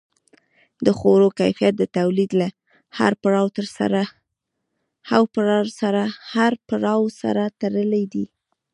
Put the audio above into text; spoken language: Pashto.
د خوړو کیفیت د تولید له هر پړاو سره تړلی دی.